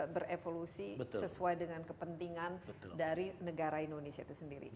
berevolusi sesuai dengan kepentingan dari negara indonesia itu sendiri